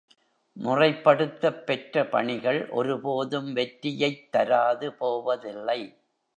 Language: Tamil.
முறைப்படுத்தப் பெற்ற பணிகள் ஒரு போதும் வெற்றியைத் தராது போவதில்லை.